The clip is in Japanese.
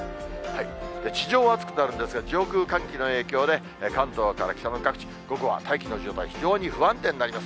地上は暑くなるんですが、上空、寒気の影響で、関東から北の各地、午後は大気の状態、非常に不安定になります。